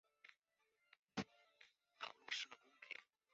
城门校尉岑起举荐马融。